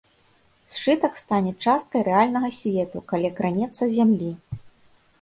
Сшытак стане часткай рэальнага свету, калі кранецца зямлі.